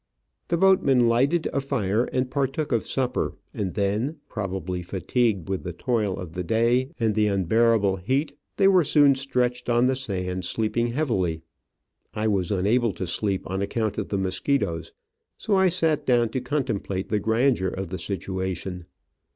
The boatmen lighted a fire and partook of supper, and then, probably fatigued with the toil of the day and the unbearable heat, they were soon stretched on the sand sleeping heavily. I was unable to sleep on account of the mosquitoes, so I sat down to contem plate the grandeur of the situation.